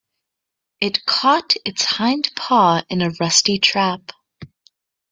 It caught its hind paw in a rusty trap.